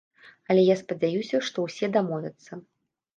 Але я спадзяюся, што ўсе дамовяцца.